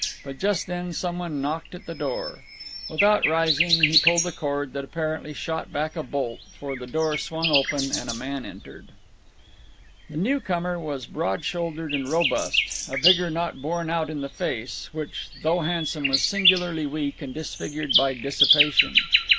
But just then someone knocked at the door. Without rising, he pulled a cord that apparently shot back a bolt, for the door swung open, and a man entered. The newcomer was broad shouldered and robust a vigor not borne out in the face, which, though handsome, was singularly weak, and disfigured by dissipation.